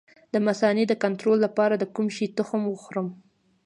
د مثانې د کنټرول لپاره د کوم شي تخم وخورم؟